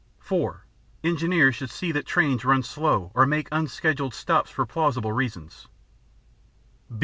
(4) Engineers should see that trains run slow or make unscheduled stops for plausible reasons.